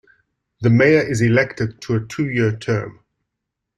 The mayor is elected to a two-year term.